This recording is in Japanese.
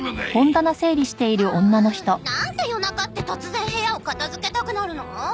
ああなんで夜中って突然部屋を片づけたくなるの？